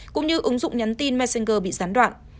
cũng như ứng dụng nhắn tin messenger bị gián đoạn